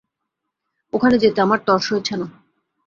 ওখানে যেতে আমার তর সইছে না।